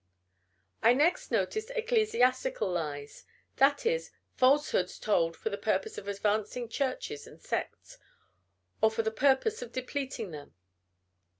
I next notice ecclesiastical lies; that is, falsehoods told for the purpose of advancing churches and sects, or for the purpose of depleting them.